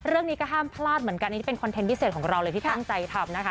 เรื่องนี้ก็ห้ามพลาดเหมือนกันอันนี้เป็นคอนเทนต์พิเศษของเราเลยที่ตั้งใจทำนะคะ